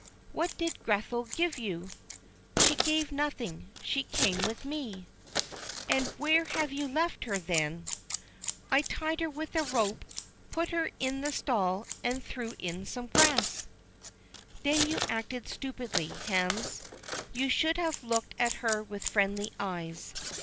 "What did Grethel give you?" "She gave nothing; she came with me." "And where have you left her, then?" "I tied her with a rope, put her in the stall, and threw in some grass." "Then you acted stupidly, Hans; you should have looked at her with friendly eyes."